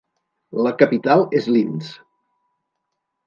La capital és Linz.